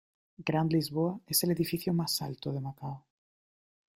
Grand Lisboa es el edificio más alto de Macao.